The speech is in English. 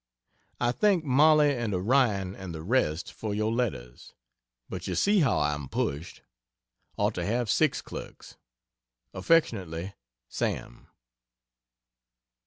I thank Mollie and Orion and the rest for your letters, but you see how I am pushed ought to have 6 clerks. Affectionately, SAM.